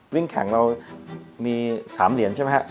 วิ่งแข่งเรามี๓เหรียญใช่ไหม